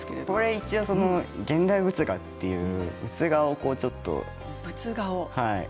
現代仏画という仏画をちょっと。